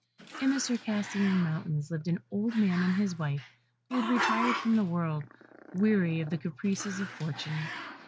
In the Circassian mountains lived an old man and his wife who had retired from the world, weary of the caprices of fortune.